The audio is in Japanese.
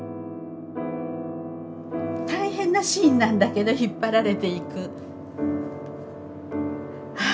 大変なシーンなんだけど引っ張られていくああ